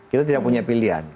kita tidak punya pilihan